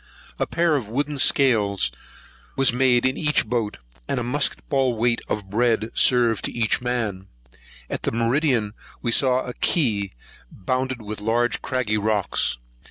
A pair of wooden scales was made in each boat, and a musket ball weight of bread served to each man. At meridian we saw a key, bounded with large craggy rocks.